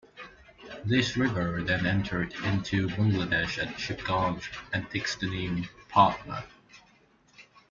This river then entered into Bangladesh at Shibganj and takes the name Padma.